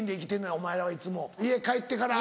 お前らはいつも家帰ってから。